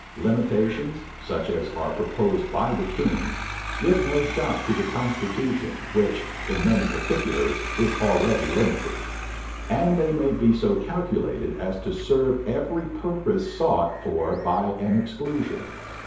Limitations, such as are proposed by the king, give no shock to the constitution, which, in many particulars, is already limited; and they may be so calculated as to serve every purpose sought for by an exclusion.